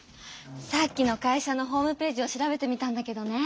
さっきの会社のホームページを調べてみたんだけどね。